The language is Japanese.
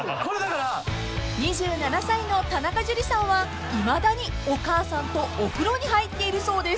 ［２７歳の田中樹さんはいまだにお母さんとお風呂に入っているそうです］